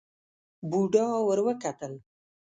بوډا ور وکتل.